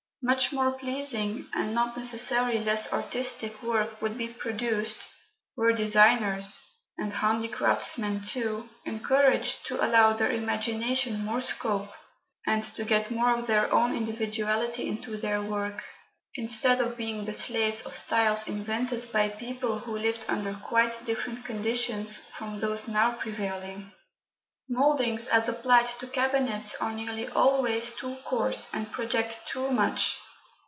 Much more pleasing, and not necessarily less artistic work would be produced, were designers, and handicraftsmen too, encouraged to allow their imagination more scope, and to get more of their own individuality into their work, instead of being the slaves of styles invented by people who lived under quite different conditions from those now prevailing. Mouldings as applied to cabinets are nearly always too coarse, and project too much.